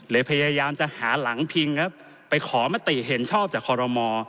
พยายามจะหาหลังพิงครับไปขอมติเห็นชอบจากคอรมอ